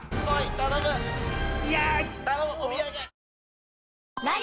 頼むお土産。